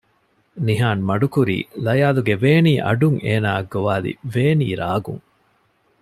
ނިހާން މަޑުކުރީ ލަޔާލުގެ ވޭނީ އަޑުން އޭނައަށް ގޮވާލި ވޭނީ ރާގުން